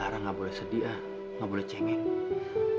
lara lara nggak boleh sedih ah nggak boleh cengek